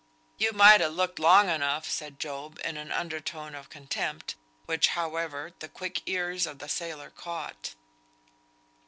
"You might ha' looked long enough," said Job, in an under tone of contempt, which, however, the quick ears of the sailor caught.